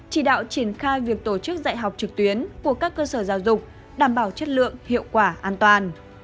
chỉ đạo triển khai việc tổ chức dạy học trực tuyến của các cơ sở giáo dục đảm bảo chất lượng hiệu quả an toàn